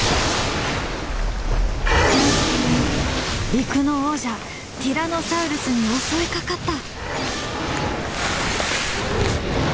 陸の王者ティラノサウルスに襲いかかった！